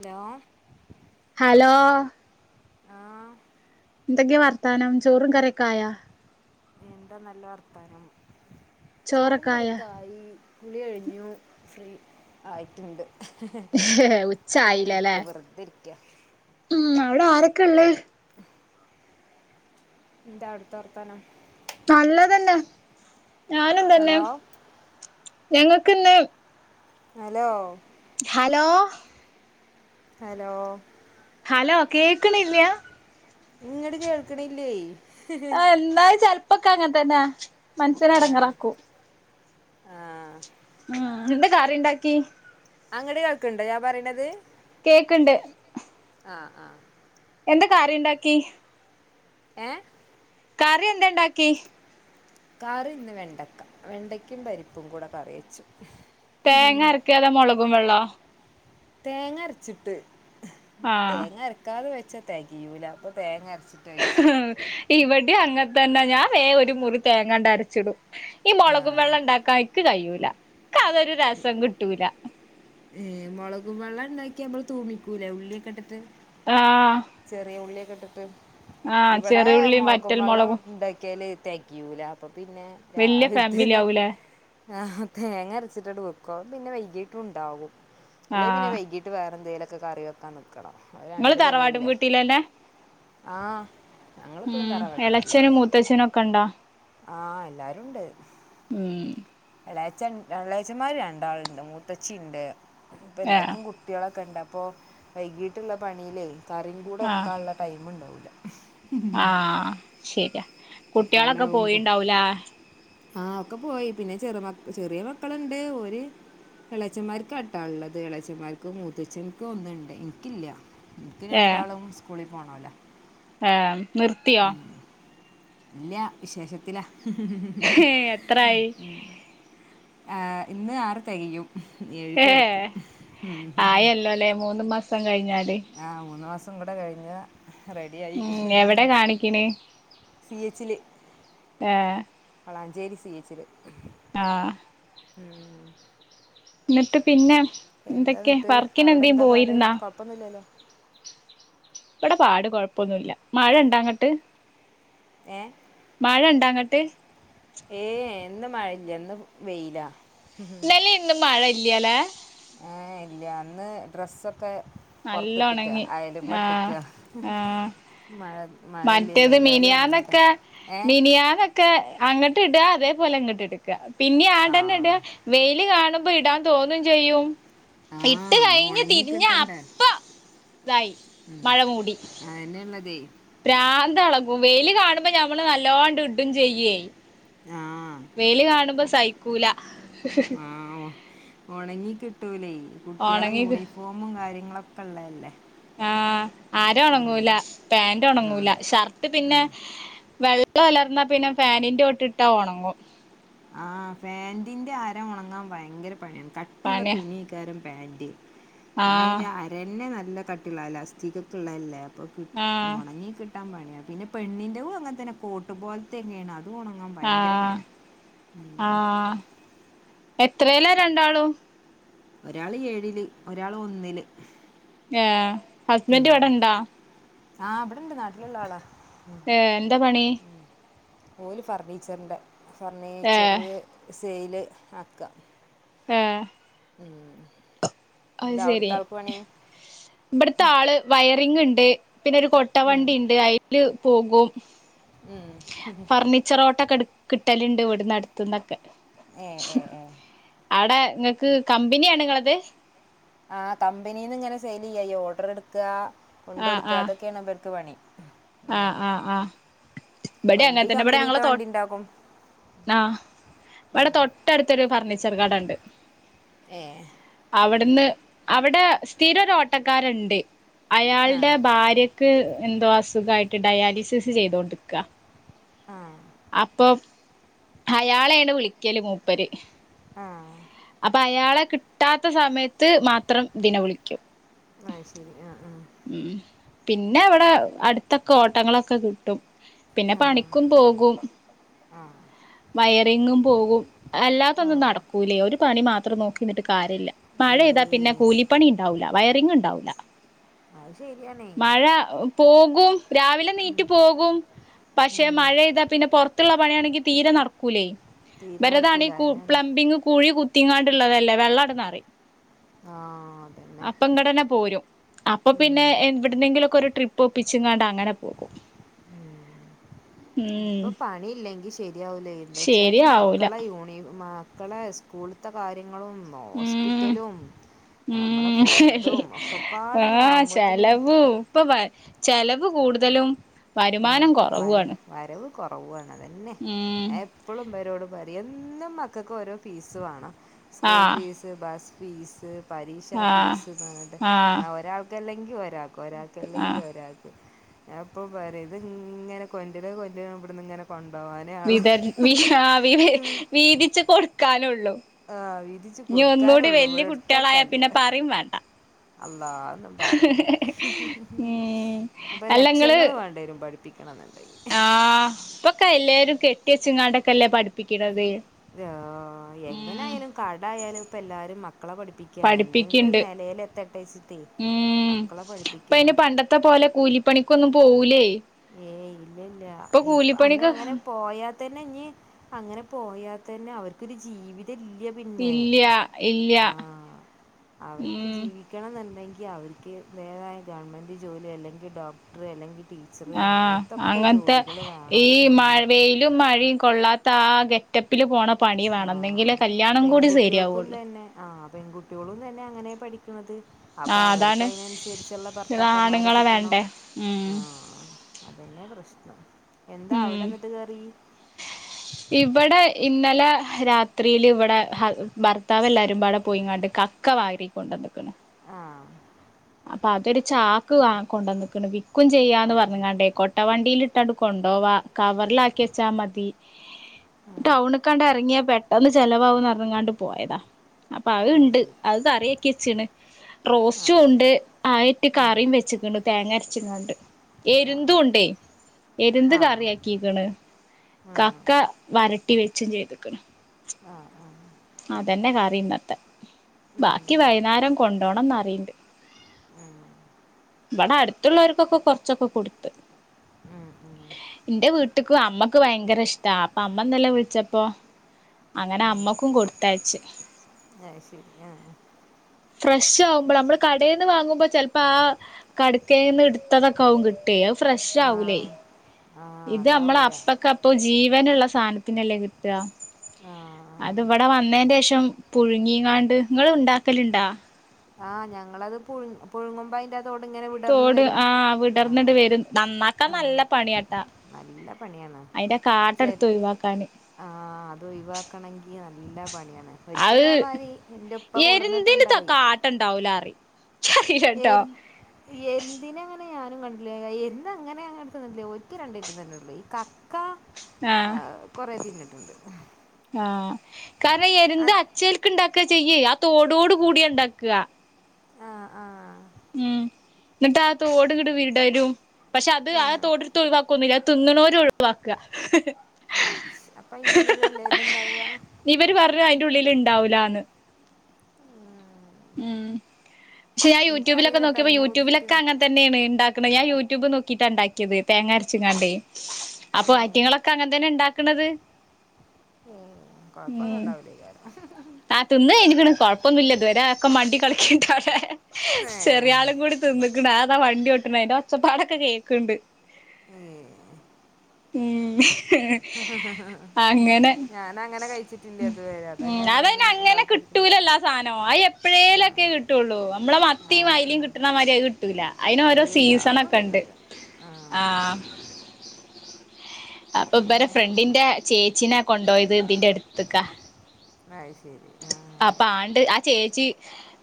Hello hello ആഹ് എന്തൊക്കെ വർത്താനം ചോറും കറിയൊക്കായ എന്താ നല്ല വർത്തനം ചോറും ചോറൊക്കെ ആയാ കറിഒക്കായി കുളി കഴിഞ്ഞു ഫ്രീ ആയിട്ടുണ്ട് ഇപ്പ ഇങ്ങനെ ഉച്ചായില്ലല്ലേ ഇരിക്ക വെറുതെ ഇരിക്ക ഉം അവിടെ ആരൊക്കെ ഉള്ളേ എന്താ അടുത്ത വർത്തനം നല്ലതന്നെ ഞാനും തന്നെ ഹലോ ഞങ്ങൾക്കിന്ന് ഹലോ ഹലോ ഹലോ ഹലോ കേൾക്കണില്ല ങ്ങട് കേൾക്കണില്ലേ ആഹ് എന്താൽ ചെലപ്പോക്കെ അങ്ങനെ തന്നെ മനസ്സിനെ ആഹ് അടങ്ങറാക്കും ആഹ് ഉം എന്താ കറി ഉണ്ടാക്കി അങ്ങടെ കേൾക്ക് ണ്ടോ ഞാൻ പറയണത് കേക്കണ്ട് ആഹ് ആഹ് എന്താ കറിണ്ടാക്കി ഏഹ് കറി എന്ത ഉണ്ടാക്കി കറിഇന്ന് വെണ്ടയ്ക്ക വെണ്ടയ്ക്കും പരിപ്പും കൂടെ കറിവെച്ചു തേങ്ങ അരക്കാതെ മുളകും വെള്ളാ തേങ്ങ അരച്ചിട്ട് ആഹ് തേങ്ങര ക്കാതെ വെച്ചാ തെകിയൂല അപ്പോ തേങ്ങ അരചി ഇവിടെ അങ്ങത്തന്നെ ഞാൻ വേ ഒരു മുറി തേങ്ങാണ്ട അരച്ചിടും ഈ മൊളകും ആഹ് വെള്ളം ഇണ്ടാക്കാ ഇക്ക് കഴിയൂല ക്കതൊരു രസം കിട്ടൂല ഏ മുളകും വെള്ളം ഉണ്ടാക്കി നമ്മൾ തൂമിക്കൂലേ ഉള്ളിഒക്കെ ഇട്ടിട്ട് ആഹ് ചെറിയ ഉള്ളിയൊക്കെ ഇട്ടിട്ട് ആഹ് ഇവിടെ ചെറിയുള്ളിയും വറ്റൽ മൊളകുമ്പള്ളം മുളകും ഇണ്ട കിയാൽ തെക്യൂല അപ്പൊ പിന്നെ വല്യ ഫാമിലി രാവിലത്തന്നെ ആവൂലേ ആഹ് തേങ്ങ അരച്ചിട്ടണ്ട് വെക്കും അപ്പൊ പിന്നെ വൈകീട്ടും ഉണ്ടാവും അല്ലെ പിന്നെ ആഹ് വൈകിട്ട് ട്ട് വേറെന്തേലൊക്കെ കറി വക്കൻ നിക്കണം അത് ങ്ങൾ രണ്ട് തറവാടും പണിയല്ലേ വീട്ടിലന്നെ ആഹ് ഞങ്ങളിപ്പോഴും തറവാട് വീട്ടിലെന്നെ മുത്തച്ഛനൊക്കെ ഉണ്ടാ ആഹ് എല്ലാരുണ്ട് ഉം എളേച്ഛൻ എളേച്ഛൻമാർ രണ്ടാളുണ്ട് മൂതച്ചിണ്ട് ഇപ്പം ഏഹ് എല്ലാർക്കും കു കുട്ടികളൊക്കെണ്ട് അപ്പോ വൈകീട്ടുള്ള പണിയില് കറിൻ കൂടെ ആഹ് വെക്കാ ഉള്ള ടൈമ് ഉണ്ടാവൂല്ല ആഹ് ശരിയാ കുട്ടികളൊക്കെ പോയിണ്ടാവ് ലെ ആഹ് ഒക്കെ പോയി പിന്നെ ചെറ മ ചെറിയ മക്കളുണ്ട് ഓര് എളച്ചന്മാർക്ക്ട്ടാ ള്ളത് ഇളച്ചന്മാർക്ക് മൂത്തച്ചന്കും ഒന്നുണ്ട് ഇനിക്കില്ല ഇന്ക്ക് രണ്ടാളും സ്കൂളിൽ പോകണോലാ ആഹ് ഇല്ല വിശേഷത്തില ഏഹ് എത്രായി ആഹ് ഇന്ന് ആറ് തികയും ഏ ഏഹ് ആയല്ലോ ല്ലെ മൂന്ന് മാസം കയ്ഞ്ഞാല് ആ മൂന്ന് മാസം കൂടെ കഴിഞ്ഞ റെഡിയായി ഉം എവിടെ കാണിക്കണ് സി എച്ചില് ഏഹ് വളാഞ്ചേരി സി എച്ചില് ആഹ് ഉം ന്ന്ട്ട് പിന്നെ എന്തൊക്കെ വർക്കിനെന്തേം പോയിര്ന്നോ പ്പന്നില്ലല്ലോ ഇവടെ പാട് കൊഴപ്പൊന്നുല്ല മഴ ണ്ടങ്ങട്ട് ഏഹ് മഴണ്ടങ്ങട്ട് ഏഹ് ഇന്ന് മഴല്ല ഇന്ന് വെയ്ല ഇന്നലീം ഇന്നും മഴ ഇല്യലേ ഏഹ് ഇല്ല ഇന്ന് ഡ്രസ്സൊക്കെ നല്ല പൊർത്ത്ട്ട്ക്ക ഒണങ്ങി ആഹ് അയലുമ്മട്ട്ക്ക ആഹ് മഴ മഴയില്ലല്ലോ മറ്റേത് ഏതായാലും ഉണങ്ങട്ടെ മിനിയാന്നൊക്കെ ഏ മിനിയാന്ന് ക്കെ അങ്ങട്ട് ഇടാ അതേപോലെ ഇങ്ങട്ട് ഇട്ക്ക പിന്നീം ആ ആണ്ടെന്നെ ഇടാ വെയില് കാണുമ്പോ ഇടാൻ തോന്നും ചെയ്യും ആ ഇട്ട് കഴിഞ്ഞ് ഉണങ്ങി തിരിഞ്ഞ കിട്ടണ്ടേ അപ്പ ഇതായി മഴ മൂടി അതെന്നെള്ള തെ പ്രാന്തെളകും വെയില് കാണുമ്പോ ഞമ്മള് നല്ലോ അണ്ട് ഇടും ചെയ്യെ ആഹ് വെയ്ല് കാണുമ്പോ സഹിക്കൂല ഒണങ്ങി കിട്ടൂലേ കുട്ട്യാളെ ഒണങ്ങി യൂണിഫോമും കാര്യങ്ങളൊക്കെ ള്ളല്ലേ ആഹ് അര ഒണങ്ങൂല ആ പാന്റൊണങ്ങൂല ഷർട്ട് ആ പിന്നെ വെള്ളം ഒലർന്നാ പിന്നെ ഫാനിന്റോട്ട്ട്ടാ ഒണങ്ങും ആഹ് ഫാൻന്റിന്റെ അര ഒണങ്ങാൻ ഭയങ്കര പണിയാണ് കട്ടിള്ള പണിയാ തുണി ക്കാരം പാന്റ് പിന്നെ ആഹ് അയ്ന്റെ അരെന്നെ നല്ല കട്ടിള്ള അലാസ്റ്റിക്കൊക്കെള്ളല്ലേ അപ്പോ പി ആഹ് ഒണങ്ങി കിട്ടാൻ പണിയാണ് പിന്നെ പെണ്ണിന്റതും അങ്ങൻത്തെന്നെ കോട്ട് പോൽത്തെന്നേണ് അതും ഒണങ് ഓൻ ഭയങ്കര ആഹ് പണിയാ ആഹ് എത്രേല രണ്ടാളും ഒരാള് ഏഴില് ഒരാള് ഒന്നില് ഏഹ് ഹസ്ബൻഡ് ഇവിടെണ്ടാ ആഹ് ഇവിടെണ്ട് നാട്ടില്ള്ളാളാ ഏ എന്താ പണി ഓല് ഫർണീച്ചർന്റെ ഏഹ് ഫർണീച്ചറ് സെയില് ആക്കാ ഏഹ് ഉം അത് എന്താ ശരി അവ്ട്ത്താൾക്ക് പണി വയറിങ്ണ്ട് പിന്നെ ഒരു ഉം, കൊട്ടവണ്ടിണ്ട് അയ്ല് പോകും ഉം ഫർണിച്ചറോട്ടൊക്കെ കിട്ടല്ണ്ട് ഇവിട്ന്ന് അട്ത്ത്ന്നൊക്കെ ഏ എ എ അവടെ ഇങ്ങക്ക് കമ്പനിയാണ് ഇങ്ങളത് ആ കമ്പനിന്ന്ങ്ങനെ സെയിലെയ്യായ്യാ ഓഡറ്ട്ക്ക ആഹ് കൊണ്ടൊട്ക്ക ആഹ് അതൊക്കെണ് ഇവര്ക്ക് പണി ആഹ് ആഹ് ആഹ് ഇവിടെ വണ്ടി അങ്ങൻതന്നെ ഇവിടെ ഞങ്ങളെ കമ്പനിയിലത്തെ തൊ വണ്ടി ഉണ്ടാക്കും ആഹ് ഇവടെ തൊട്ടടുത്തൊരു ഫർണിച്ചർ കടണ്ട് ഏഹ് അവിട്ന്ന് അവിടെ സ്ഥിരരോട്ടക്കാരുണ്ട് ആ അയാൾടെ ഭാര്യ ക്ക് എന്തോ അസുഖായിട്ട് ഡയാലിസിസ് ചെയ്തോണ്ടിക്ക ആഹ് അപ്പൊ അയാളേണ് വിളിക്കല് മൂപ്പര് ആഹ് അപ്പൊ അയാളെ കിട്ടാത്ത സമയത്ത് മാത്രം ഇതിനെ വിളിക്കും അയ്ശരി ആഹ് ആഹ് ഉം പിന്നെ ഇവിടെ അടുത്തൊക്കെ ഓട്ടങ്ങളൊക്കെ കിട്ടും പിന്നെ പണിക്കും പോകും ആഹ് വയറിങ്ങും പോകും ആ അല്ലാത്തൊന്നും നടക്കൂലേ ഒരു പണി മാത്രം നോക്കിന്നിട്ട് കാര്യല്ല ഏ മഴെയ്താ പിന്നെ കൂലിപ്പണി ഉണ്ടാവൂല വയറിംഗ ഉണ്ടാവൂല അത് ശെരിയാണ് മഴ പോകും രാവിലെ നീറ്റ് പോകും പക്ഷെ ഉം, മഴെയ്താപിന്നെ പൊറത്തുള്ള പണിയാണെങ്കി പിന്നെ തീരെ നടക്കൂലേ തീരെ ഇവരതതാണെ നടക്കൂല കു അതന്നെ പ്ലംബിങ് കുഴി കുത്തിങ്ങാണ്ടള്ളതല്ലേ വെള്ളണ്ട്ന്നറി ആ അതന്നെ അപ്പൊ ഇങ്ങടന്നെ പോരും അപ്പൊ പിന്നെ ഉം എവിടെന്നെങ്കിലുക്കെ ഒരു ട്രിപ്പ് ഒപ്പിച്ചിങ്ങാണ്ട് അങ്ങനെ പോകും ഉം ഉം ഇപ്പോ പണി ഇല്ലെങ്കി ശരിയാവുലേ എന്താച്ചാൽ ഈ ശരിയാവൂല മക്കളെ യൂണി മക്കളെ സ്കൂൾത കാര്യങ്ങളും ഉം ഹോസ്പിറ്റലും നമ്മളെ ഉം ഫുഡും ഒക്കെ ആഹ് പാടങ്ങടാവുമ്പോത്തന് ചെലവ് ഇപ്പൊ ചെലവ് കൂടുതലും ആഹ് വരുമാനം കൊറവു വര ആണ് വരവ് കുറവാണ് അതെന്നെ ഉം എപ്പളുംമ്പരോട് പറയും എന്നും മക്കൾക്ക് ഓരോ ഫീസ് വേണം സ്കൂൾ ആഹ് ഫീസ് ബസ്ഫീസ് ആഹ് പരീക്ഷാഫീസ്ന്ന്റഞ്ഞിട്ട് ആഹ് ആ ഒരാൾക്കല്ലെങ്കി ഒരാക്ക് ഒരാക്കല്ലെങ്കി ആഹ് ഒരാക്ക് ഞാപ്പം പറയു ഇത് ഇങ്ങനെ കൊൻ്റര കൊൻ്റര ഇവിടന്നിങ്ങനെ കൊണോവാനേ ആള് വിതർ വി വീ വിവീതിച്ചു കൊടുക്കാനുള്ളു ആഹ് വിതീച്ചു കൊടുക്കാനുള്ളൂ ഇവിടെ എടുത്തക്കാനില്ല അറിയും വേണ്ട അള്ളാ ഒന്നുപറയണ്ട ഉം ഇപ്പൊ അല്ലങ്ങള് ലക്ഷങ്ങള് വേ ണ്ടേരും പഠിപ്പിക്കണണ്ടേൽ ആഹ് ഇപ്പൊക്കെല്ലാരും കെട്ടിയച്ചുങ്ങാണ്ടക്കെല്ലേ പഠിപ്പിക്കണത് ആഹ് ഉം എങ്ങനായാലും കടായാലും ഇപ്പല്ലാരും മക്കളെ പഠിപ്പി ക്കാണ് എന്തെങ്കിലൊരു പഠിപ്പിക്കണ്ട് നെലേലെത്തട്ടെച്ചിറ്റ് മക്കളെ പഠിപ്പിക്കാണ് ത്തെ പോലെ കൂലിപ്പണിക്കൊന്നും പോകൂലേ ഏയ് ഇല്ലയില്ല ഇപ്പൊ അയിനങ്ങനെ പോയാ തന്നെ ഇനി അങ്ങനെ പോയാതന്നെ അവര്ക്കൊരു ജീവിതല്ല്യ പിന്നെ ഇല്ല്യ ഇല്ല്യ ആഹ് അവർക്ക് ഉം ജീവി ക്കണന്നണ്ടെങ്കി അവരിക്ക് വേറെ ഗവൺമെൻറ് ജോലി അല്ലെങ്കിൽ ഡോക്ടർ അല്ലെങ്കിൽ ടീ ആഹ് അങ്ങൻത്തെ ഈ വേണം മഴ വെയിലും മഴയും കൊള്ളാത്ത ആഹ് ഗെറ്റപ്പില് പോണപണി ആ വേണം എന്നെങ്കിലെ കല്യാണം കൂടി സെരിയാവുള്ളൂ ആഹ് പെൺകുട്ട്യോളും തന്നെ അങ്ങനെ പഠിക്കണത് അപ്പൊ ആഹ് അവർക്ക് അതാണ് അയിനനുസരിച്ചുള്ള ഭർത്താക്കന്മാരെ ആണുങ്ങളെ കിട്ടണം വേണ്ടേ ഉം ആഹ് അതെന്നെ പ്രശ്നം എന്താ ഉം അവിടെന്നിട്ട് കറി ഇവിടെ ഇന്നലെ രാത്രിയില് ഇവിടെ ഹസ് ഭർത്താവല്ലൊരുപാടെ പോയിങ്ങാണ്ട് ക ക്ക വാരി കൊണ്ടന്നിക്കണ് ആഹ് അപ്പൊതൊരു ചാക്ക് വാ കൊണ്ടന്നക്കണ് വിക്കു ചെയ്യാന്ന് അത് ശ- പറഞ്ഞുകാണ്ടേ കൊട്ട വണ്ടിലിട്ട കൊണ്ടോവാ കവറിലാക്കി വെച്ചാമതി ടൗണകാണ്ട് എറങ്ങിയാ പെട്ടന്ന് ചെലവാവുന്നറഞ്ഞ്ങ്ങാണ്ട് പോയതാ അപ്പൊ അത് അഹ്ണ്ട് ശരി അഹ് കറിയക്കിവെച്ചണ് ആ റോസ്റ്റുണ്ട് ആയിട്ട് ഉം, കറിയും വെച്ചിക്കണ്ട് തേങ്ങരച്ചിങ്ങാണ്ട് ആ എരുന്തുണ്ടേ എരുന്ത് ആ കറിയക്കിക്കണ് ആ കക്ക വരട്ടി വെച്ചുചെയ്തുക്കണ് ആഹ് ആഹ് അതന്നെ കറിയിന്നത്തെ ഉം, ബാക്കി വൈന്നേരം കൊണ്ടോണന്നറിയണ്ട് ആഹ് ഇവിടെ അടുത്തുള്ളോൽക്കൊക്കെ കൊറച്ചൊക്കെ കൊടുത്ത് ഉം, ഉം, ന്റെ വീട്ട ട്ട്ക്ക് അമ്മക്ക് ഭയങ്കര ഇഷ്ടാ അപ്പൊ അമ്മന്ന ലെ വിൾച്ചപ്പോ അങ്ങനെ അമ്മക്കും കൊടുത്തയച്ച് അഹ് ശരി ആഹ് ഫ്രഷ് ആകുമ്പോള് മ്മള് കടേന്ന് വാങ്ങുമ്പോൾ ചെലപ്പോ ആ കടക്കേന്ന് ഇടുത്തതൊക്കെകാവു കിട്ടു ട്ടേ അഹ് ആ ഫ്രഷ്ആവൂലേ ആ ഇത് അമ്മള് അതാവൂല അപ്പക്ക അപ്പ ജീവനുള്ള സാനത്തിനല്ലേ കിട്ടുവാ അത് ആ ഇവിടെ വന്നന്റെഷം പുഴുങ്ങിങ്ങാണ്ട് നിങ്ങള് ഉണ്ടാക്കലുണ്ടാ ആഹ് ഞങ്ങളത് പുഴ പുഴുങ്ങുമ്പോയിൻ്റാ തോടിങ്ങനെ തോട് ആഹ് വിടർന്നിട് വെരും നന്നാക്കാൻ ആഹ് നല്ല പണിയാ നല്ല പണിയാണ് അയിന്റെ ചെ കാട്ടെടുത്ത് ഒയിവാക്കാന് ആഹ് അത് ഒയിവാക്കണെങ്കി നല്ല പണിയാണ് അത് ഒരിക്കലതേമായിരി എൻ്റെ ഉപ്പ കെട്ന്നിട്ടുണ്ടായി ട്ടുണ്ടാവൂല റിം എര്ന്ത് എര്ന്തിന അങ്ങനെ ഞാനും കണ്ടില്ലേ എന്തങ്ങനെ അങ്ങനെടുത്ത് തന്നില്ലേ ഒറ്റക്ക് രണ്ടക്കും തന്നുള്ളു ഈ ക ആഹ ആഹ കാരണം എരുന്ത് അത് ചക്ക് ഇണ്ടാക്കുക ചെയ്യേ ആ തോടോട് കൂടിയ ഉണ്ടാക്കുക ആഹ് ആഹ് എന്നിട്ട് ആ തോട കിട് വീടരും പക്ഷെ അത് ആ ആഹ് തോടിടുത്ത്ഴിവാ ന്നില്ല തിന്നണൂര് ഒഴിവാക്കുക അപ്പ അയിന്റെ ഉള്ളിലല്ലേ തുണ്ടാവ ഇവര് പറഞ്ഞു അതിന്റെ ഉള്ളിൽ ഉണ്ടാവില്ല എന്ന് ഉം ഉം പക്ഷെ ഞാൻ യൂട്യൂബിലൊക്കെ നോക്കിയപ്പോ അതിനെ കുറിച്ചിട്ട് യൂട്യൂബിലൊക്കെ അങ്ങനെ തന്നെയാണ് ഉണ്ടാക്കുന്നത് ഞാൻ യൂട്യൂബ് നോക്കിയിട്ടാ ഉണ്ടാക്കിയത് തേങ്ങ അരച്ചിങ്ങാണ്ടേ ഏ, അപ്പൊ ഐറ്റങ്ങളൊക്കെ അങ്ങൻതന്നെ ണ്ടാക്ക്ണത്? കൊഴപ്പൊന്നുണ്ടാകൂലൈകാരം ഹ് ഹ് ത് ന്ന്കെയിഞ്ക്ക്ണ്കുഴപ്പൊന്നല്ല ഇതുവരെ ഒക്കെ മണ്ടി കളിക്കണ്ടവടെ. ചെ- റ്യാളും കൂടി തിന്ന്ക്ക്ണ അത് താ വണ്ടി ഒട്ട്ണ് അതിന്റെ ഒച്ചപ്പടൊക്കെ കേൾക്കുന്നുണ്ട്. ഏഹ് ഹ്. ഹ് ഹ ഹ ഹ ഞാനങ്ങനെ കഴിച്ചിട്ടില്ലത് വരെ അതാ ഞാനിങ്ങനെ ഡൗട്ട് അട്ച്ചി സാധനോ അത് എപ്പോഴേലൊക്കെ കിട്ട് കിട്ടൊള്ളൂ നമ്മളെ ആ മത്തീം ആ. അയ്ലീം കിട്ട്ണ മാതിരി അത് കിട്ടൂല്ല അതിനോരോ ഏയ് അതൊന്നും സീസണൊക്കണ്ട്. കിട്ടൂല ആ ആഹ് അപ്പൊ ബരെ പിന്നെ ഫ്രണ്ടിന്റെ ചേച്ചിനെ കൊണ്ടു പോയത് ഇതിന്റെ അടുത്തേക്കാ. അത് ശരി. ആ അപ്പൊ ആട്ട്- ചേച്ചി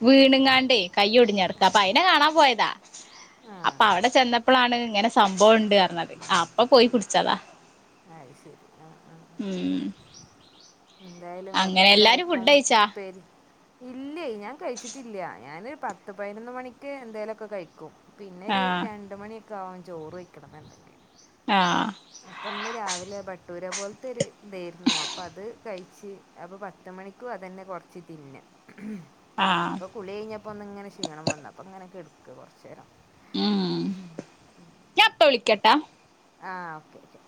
വീണുങ്ങാണ്ടെയ് കയ്യൊ ട്ഞ്ഞെടക്ക അപ്പൊ അയിനെ കാണാൻ പോയതാ. ആ അപ്പൊ അവടെ ചെന്നപ്പളാണ്ങ്ങനെ സംഭവണ്ട്ർഞ്ഞത് അപ്പൊ പോയി കുട്ച്ചതാ. അ് ശരി അ അ. ം എന്തായാലും ങ്ങക്ക്ന്ന് എല്ലാരും കറിക്കും ഫുഡ് കഴിച്ചാ പ്പേരി ഇല്ലെയ് ഞാ കഴിച്ചിട്ടില്ല ഞാന് പത്ത് പതിനൊന്ന് മണിക്ക് എന്തേലൊക്കെ കഴിക്കും. പിന്നെരു ആഹ് രണ്ട് മണിയൊക്കെ ആകും ചോറ് വയ്ക്കണന്ന്ണ്ട്. ആഹ്. അപ്പൊന്ന് രാവിലെ ബട്ടൂര പോലത്തെര്തേര്ന്നു അപ്പൊ അത് കഴിച്ച്. അപ്പൊ പത്ത് മണിക്കും അതന്നെ കൊർച്ച് തിന്ന്. ് ആഹ് കുളിയിഞ്ഞപ്പോന്ന്ങ്ങനെ ക്ഷീണം വന്നു അപ്പോങ്ങനെ കെട്ക്ക കുറച്ചേരം. ം ഞാപ്പ വിളിക്കട്ടാ. ആഹ് ഓക്കെ ഓക്കെ.